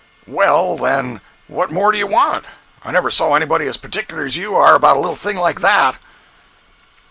"Well, then, what more do you want? I never saw anybody as particular as you are about a little thing like that."